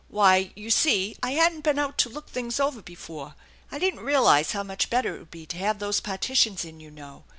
" Why, you see I hadn't been out to look things over before. I didn't realize how much better it would be to have those iwrtitions in, you know.